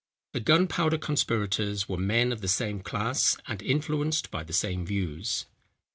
The Gunpowder conspirators were men of the same class and influenced by the same views.